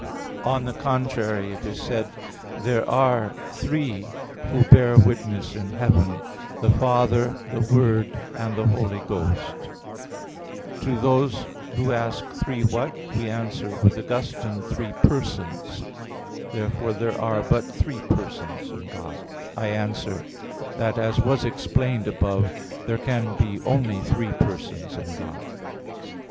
On the contrary, It is said: "There are three who bear witness in heaven, the Father, the Word, and the Holy Ghost" (1 John 5:7). To those who ask, "Three what?" we answer, with Augustine (De Trin. vii, 4), "Three persons." Therefore there are but three persons in God. I answer that, As was explained above, there can be only three persons in God.